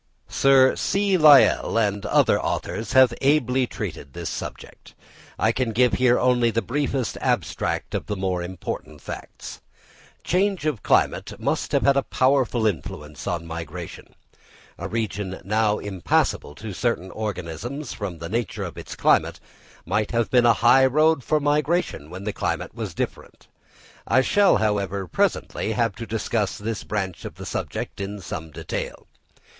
_ Sir C. Lyell and other authors have ably treated this subject. I can give here only the briefest abstract of the more important facts. Change of climate must have had a powerful influence on migration. A region now impassable to certain organisms from the nature of its climate, might have been a high road for migration, when the climate was different. I shall, however, presently have to discuss this branch of the subject in some detail.